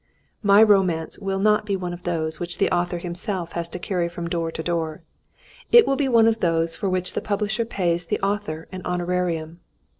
"My romance will not be one of those which the author himself has to carry from door to door; it will be one of those for which the publisher pays the author an honorarium."